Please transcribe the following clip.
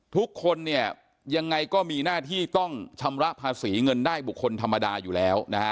ทุกคนเนี่ยยังไงก็มีหน้าที่ต้องชำระภาษีเงินได้บุคคลธรรมดาอยู่แล้วนะฮะ